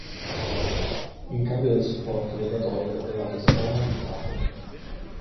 In cambio del supporto Della Torre avrebbe dato Savona al ducato.